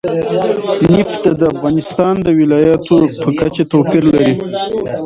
نفت د افغانستان د ولایاتو په کچه توپیر لري.